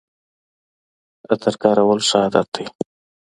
عطر کارول ښه عادت دی.